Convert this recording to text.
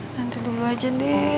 nanti dulu aja deh